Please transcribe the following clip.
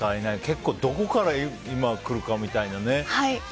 結構どこから今来るかみたいなね。